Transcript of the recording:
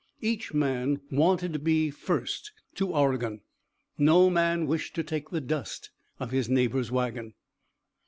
Each man wanted to be first to Oregon, no man wished to take the dust of his neighbor's wagon.